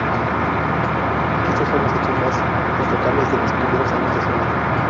Estos son los hechos más destacables de los primeros años de su vida.